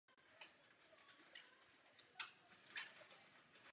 Droga není vhodná pro dlouhodobou léčbu.